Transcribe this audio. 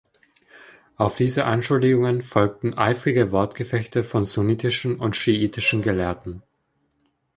Auf diese Anschuldigungen folgten eifrige Wortgefechte von sunnitischen und schiitischen Gelehrten.